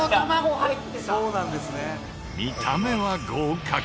見た目は合格！